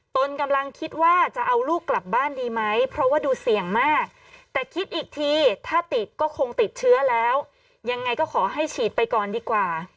ตนกำลังคิดว่าจะเอาลูกกลับบ้านดีไหมเพราะว่าดูเสี่ยงมากแต่คิดอีกทีถ้าติดก็คงติดเชื้อแล้วยังไงก็ขอให้ฉีดไปก่อนดีกว่า